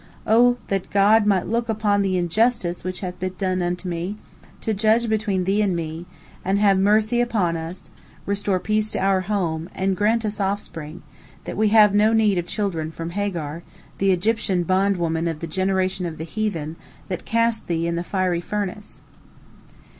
O that God might look upon the injustice which hath been done unto me, to judge between thee and me, and have mercy upon us, restore peace to our home, and grant us offspring, that we have no need of children from Hagar, the Egyptian bondwoman of the generation of the heathen that cast thee in the fiery furnace!"